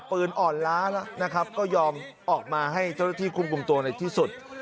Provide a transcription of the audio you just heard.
ปืนอ่อนล้าแล้วนะครับก็ยอมออกมาให้เจ้าหน้าที่คุมตัวในที่สุด